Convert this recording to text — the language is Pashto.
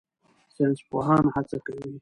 ساینسپوهان هڅه کوي.